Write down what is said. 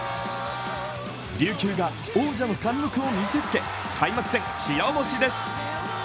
琉球が王者の貫禄を見せつけ開幕戦、白星です。